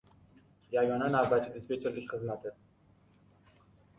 Yagona navbatchi-dispetcherlik xizmati